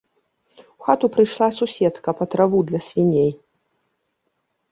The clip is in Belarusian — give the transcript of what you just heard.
У хату прыйшла суседка па траву для свіней.